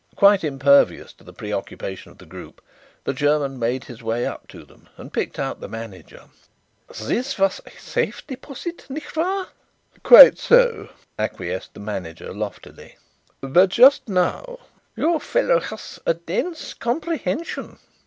Quite impervious to the preoccupation of the group, the German made his way up to them and picked out the manager. "This was a safety deposit, nicht wahr?" "Quite so," acquiesced the manager loftily, "but just now " "Your fellow was dense of comprehension."